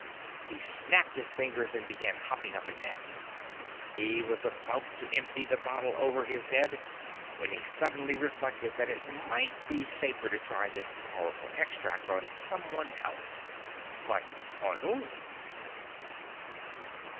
He snapped his fingers and began hopping up and down. He was about to empty the bottle over his head when he suddenly reflected that it might be safer to try this powerful extract on someone else. But on whom?